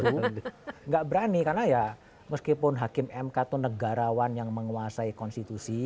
tidak berani karena ya meskipun hakim mk itu negarawan yang menguasai konstitusi